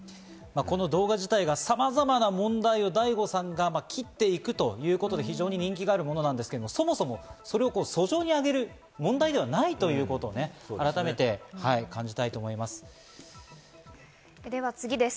この動画自体がさまざまな問題をＤａｉＧｏさんが斬っていくということで人気があるんですが、そもそもそれを俎上にあげる問題ではないということを改めて感じたと思います。